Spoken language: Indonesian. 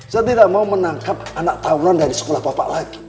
saya tidak mau menangkap anak tawuran dari sekolah bapak lagi